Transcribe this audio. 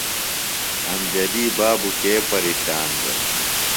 امجدی بابوۡ کے پیرشان دےۡ؟